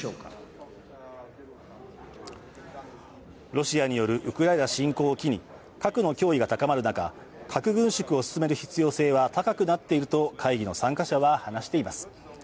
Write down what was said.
ロシアによるウクライナ侵攻を期に核の脅威が高まる中、核軍縮を進める必要性は高くなっていると会議の参加者は話しています。